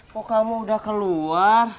kok kamu udah keluar